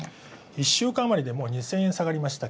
１週間あまりでもう２０００円下がりました